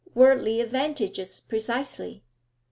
'Worldly advantages, precisely.'